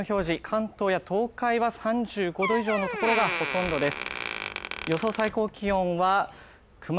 関東や東海は３５度以上のところがほとんどです